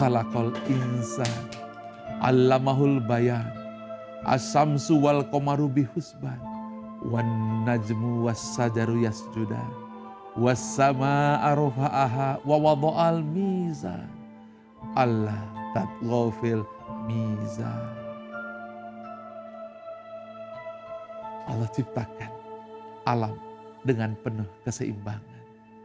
allah ciptakan alam dengan penuh keseimbangan